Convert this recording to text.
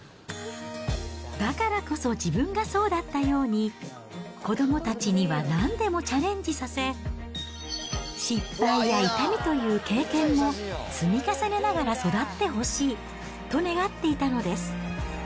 だからこそ、自分がそうだったように、子どもたちにはなんでもチャレンジさせ、失敗や痛みという経験も積み重ねながら育ってほしいと願っていたのです。